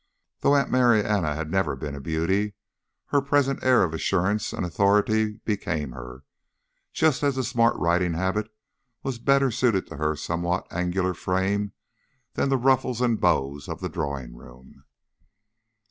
Though Aunt Marianna had never been a beauty, her present air of assurance and authority became her, just as the smart riding habit was better suited to her somewhat angular frame than the ruffles and bows of the drawing room.